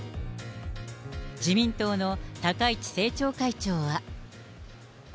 自民党の高市政調会長は。